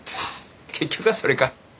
結局はそれか。